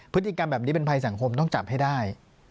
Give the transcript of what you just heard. พฤติกรรมแบบนี้เป็นภัยสังคมต้องจับให้ได้